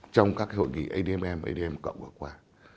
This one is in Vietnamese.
trong các hội nghị admm adm cộng vừa qua